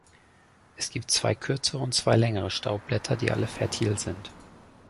Es gibt zwei kürzere und zwei längere Staubblätter, die alle fertil sind.